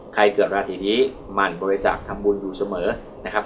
ใครเกือบราศีทีมันบริจาคทำบุญอยู่เสมอนะครับ